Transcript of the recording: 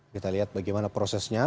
kita lihat bagaimana prosesnya